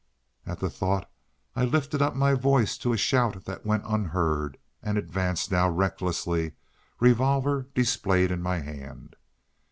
At the thought I lifted up my voice to a shout that went unheard, and advanced now recklessly, revolver displayed in my hand.